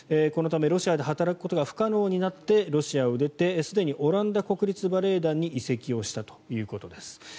このためロシアで働くことが不可能になってロシアを出てすでにオランダ国立バレエ団に移籍をしたということです。